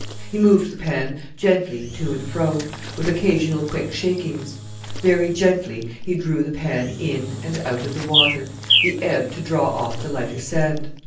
He moved the pan gently to and fro, with occasional quick shakings; very gently he drew the pan in and out of the water, the ebb to draw off the lighter sand.